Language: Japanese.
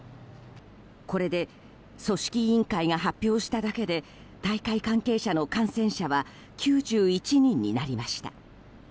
これで組織委員会が発表しただけで大会関係者の感染者は９１人になりました。